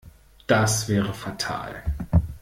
Das wäre fatal.